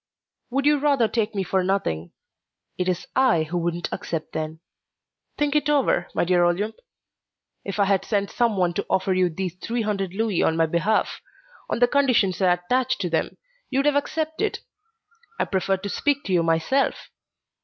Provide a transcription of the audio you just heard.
"Would you rather take me for nothing? It is I who wouldn't accept then. Think it over, my dear Olympe; if I had sent someone to offer you these three hundred louis on my behalf, on the conditions I attach to them, you would have accepted. I preferred to speak to you myself.